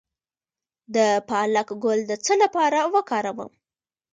د پالک ګل د څه لپاره وکاروم؟